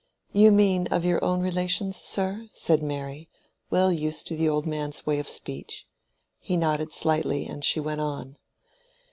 "You mean of your own relations, sir," said Mary, well used to the old man's way of speech. He nodded slightly and she went on.